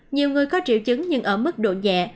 nhiều người có triệu chứng nhưng ở mức độ nhẹ